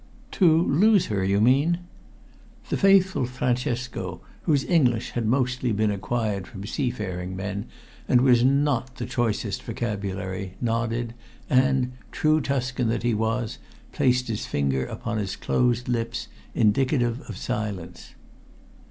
"To lose her, you mean?" The faithful Francesco, whose English had mostly been acquired from sea faring men, and was not the choicest vocabulary, nodded, and, true Tuscan that he was, placed his finger upon his closed lips, indicative of silence.